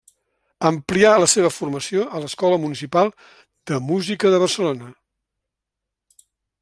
Amplià la seva formació a l'Escola Municipal de Música de Barcelona.